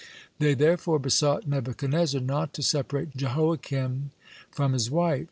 They therefore besought Nebuchadnezzar not to separate Jehoiachin from his wife.